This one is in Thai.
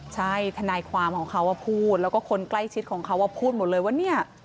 ใช่ทนายความของเขาพูดแล้วก็คนใกล้ชิดของเขาพูดหมดเลยว่าเนี่ย